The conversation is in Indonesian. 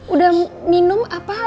udah minum apa